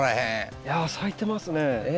いや咲いてますね。